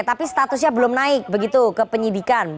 tapi statusnya belum naik begitu ke penyidikan